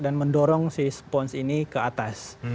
dan mendorong si sponge ini ke atas